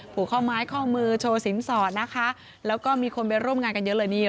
ผูกข้อไม้ข้อมือโชว์สินสอดนะคะแล้วก็มีคนไปร่วมงานกันเยอะเลยนี่